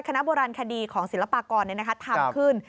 คณะโบราณคดีของศิลปากรทำขึ้น